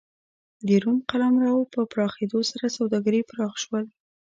د روم قلمرو په پراخېدو سره سوداګري پراخ شول